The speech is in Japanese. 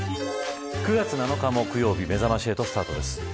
９月７日木曜日めざまし８スタートです。